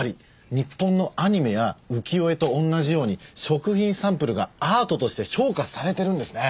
日本のアニメや浮世絵と同じように食品サンプルがアートとして評価されてるんですね。